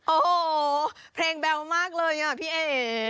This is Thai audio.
โอ้โหเพลงแบวมากเลยอ่ะพี่เอ๋